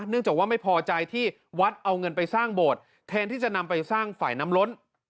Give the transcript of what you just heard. จากว่าไม่พอใจที่วัดเอาเงินไปสร้างโบสถ์แทนที่จะนำไปสร้างฝ่ายน้ำล้น